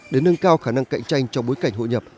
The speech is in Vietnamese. để nâng cao khả năng cạnh tranh trong bối cảnh hội nhập